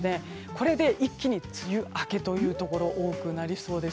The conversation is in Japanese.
これで梅雨明けのところが多くなりそうです。